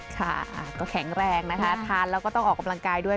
ค่ะก็แข็งแรงนะคะทานแล้วก็ต้องออกกำลังกายด้วย